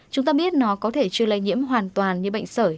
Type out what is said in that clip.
chúng ta biết nó có thể chưa lây nhiễm hoàn toàn như bệnh sởi